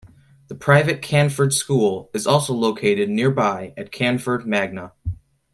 The private Canford School is also located nearby at Canford Magna.